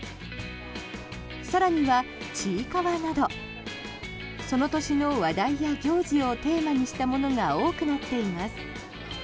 更には、ちいかわなどその年の話題や行事をテーマにしたものが多くなっています。